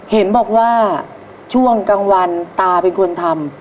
เห็นบอกว่าช่วงกลางวันตาเป็นคนทำ